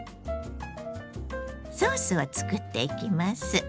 ソースを作っていきます。